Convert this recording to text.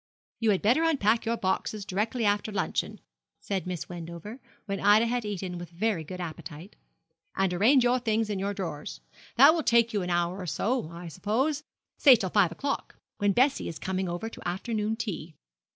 'You had better unpack your boxes directly after luncheon, said Miss Wendover, when Ida had eaten with very good appetite, 'and arrange your things in your drawers. That will take you an hour or so, I suppose say till five o'clock, when Bessie is coming over to afternoon tea.'